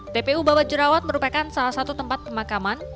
tpu babat jerawat merupakan salah satu tempat pemakaman